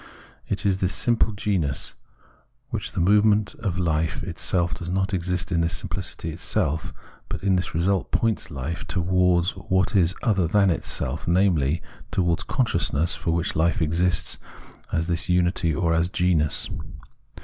It is the simple genus, which in the movement of hfe itself does not exist in this simpUcity for itself ; but in this result points hfe towards what is other than itself, namely, towards Consciousness for which hfe exists as this unity or as genus.